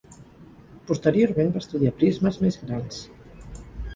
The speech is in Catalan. Posteriorment va estudiar prismes més grans.